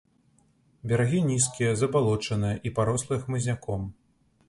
Берагі нізкія, забалочаныя і парослыя хмызняком.